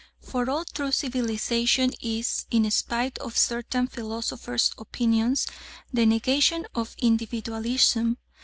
For all true civilisation is, in spite of certain philosophers' opinions, the negation of individualism.